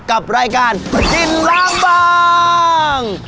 กับรายการกินล้างบาง